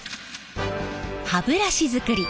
歯ブラシづくり